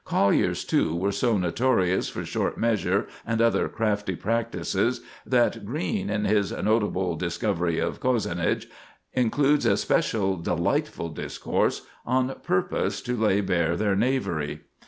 Colliers, too, were so notorious for short measure and other crafty practices that Greene, in his "Notable Discovery of Cosenage," includes a special "delightful discourse" on purpose to lay bare their knavery.